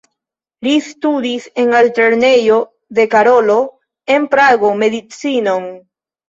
Li studis en Altlernejo de Karolo en Prago medicinon.